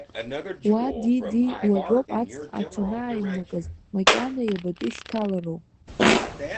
Уа, диди, уажәоуп, аҵх аҽанааиманакыз, макьана иабатәи шьҭалароу.